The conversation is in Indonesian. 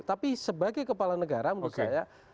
tapi sebagai kepala negara menurut saya